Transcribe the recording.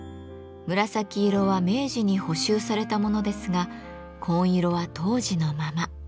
紫色は明治に補修された物ですが紺色は当時のまま。